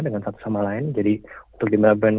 dengan satu sama lain jadi untuk di melbourne